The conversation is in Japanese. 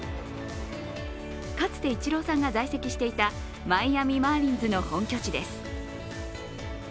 かつてイチローさんが在籍していたマイアミ・マーリンズの本拠地です